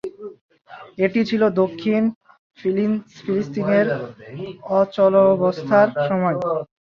এটি ছিল দক্ষিণ ফিলিস্তিনের অচলাবস্থার সময়।